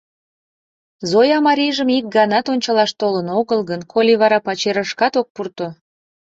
Зоя марийжым ик ганат ончалаш толын огыл гын, коли вара пачерышкат ок пурто?